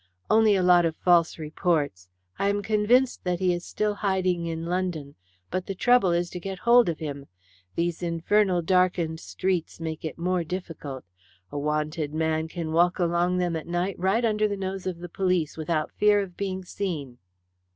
"Only a lot of false reports. I am convinced that he is still hiding in London, but the trouble is to get hold of him. These infernal darkened streets make it more difficult. A wanted man can walk along them at night right under the nose of the police without fear of being seen."